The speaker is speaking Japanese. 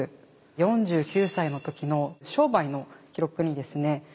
４９歳の時の商売の記録にですね利金